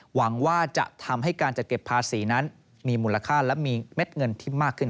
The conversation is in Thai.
หวังว่าจะทำให้การจัดเก็บภาษีนั้นมีมูลค่าและมีเม็ดเงินที่มากขึ้น